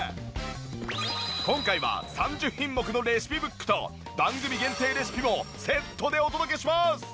今回は３０品目のレシピブックと番組限定レシピもセットでお届けします！